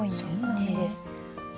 そうなんです。